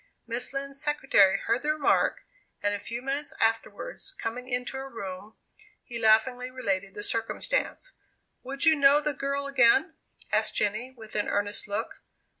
Miss Lind's secretary heard the remark, and a few minutes afterwards coming into her room, he laughingly related the circumstance. "Would you know the girl again?" asked Jenny, with an earnest look.